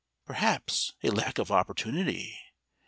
"Perhaps a lack of opportunity?